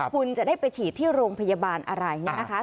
คุณจะได้ไปฉีดที่โรงพยาบาลอะไรเนี่ยนะคะ